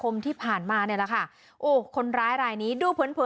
พี่พ่อครับอย่าเรียก